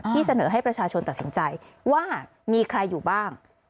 เสนอให้ประชาชนตัดสินใจว่ามีใครอยู่บ้าง